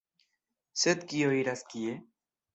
Sed kio iras kie?